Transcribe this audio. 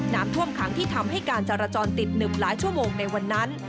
น้ำท่วมขังที่ทำให้การจราจรติด๑หลายชั่วโมงในวันนั้น